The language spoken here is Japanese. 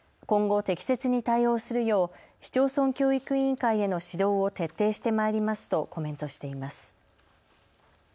今後、適切に対応するよう市町村教育委員会への指導を徹底してまいりますとコメントしています。